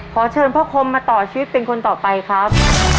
ขอเชิญพ่อคมมาต่อชีวิตเป็นคนต่อไปครับ